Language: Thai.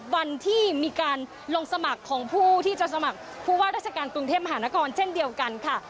วันที่มีการลงสมัครของผู้ที่จะสมัครผู้ว่าราชการกรุงเทพมหานครเช่นเดียวกันค่ะ